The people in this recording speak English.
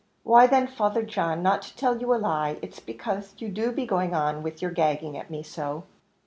"Why then, Father John, not to tell you a lie, it is because you do be going on with your gagging at me so."